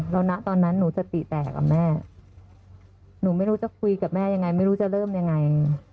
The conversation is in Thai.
ตอนนั้นหนูสติแตกอ่ะแม่หนูไม่รู้จะคุยกับแม่ยังไงไม่รู้จะเริ่มยังไง